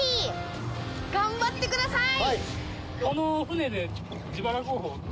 頑張ってください！